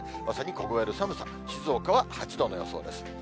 まさにこごえる寒さ、静岡は８度の予想です。